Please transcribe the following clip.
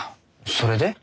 それで？